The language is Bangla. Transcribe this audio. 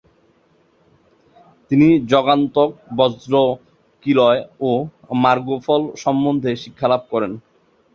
তিনি যমান্তক, বজ্রকীলয় ও মার্গফল সম্বন্ধে শিক্ষালাভ করেন।